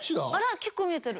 結構見えてる。